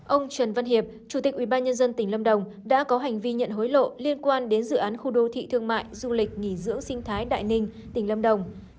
ông trần văn hiệp chủ tịch ubnd tỉnh lâm đồng đã có hành vi nhận hối lộ liên quan đến dự án khu đô thị thương mại du lịch nghỉ dưỡng sinh thái đại ninh tỉnh lâm đồng